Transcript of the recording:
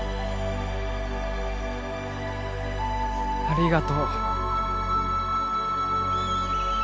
ありがとう。